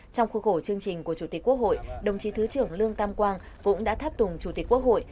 trong khu khổ chương trình của chủ tịch quốc hội đồng chí thứ trưởng lương tam quang cũng đã tháp tùng chủ tịch quốc hội